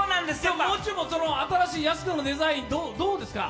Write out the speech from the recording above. もう中も新しいやす子のデザイン、どうですか。